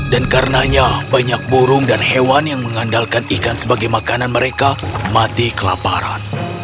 dan karena itu banyak burung dan hewan yang mengandalkan ikan sebagai makanan mereka mati kelaparan